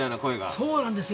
そうなんですよ。